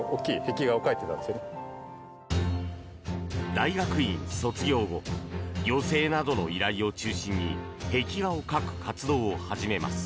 大学院卒業後行政などの依頼を中心に壁画を描く活動を始めます。